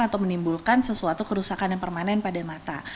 atau menimbulkan sesuatu kerusakan yang permanen pada mata